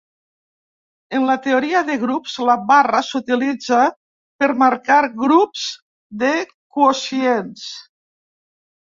En la teoria de grups, la barra s'utilitza per marcar grups de quocients.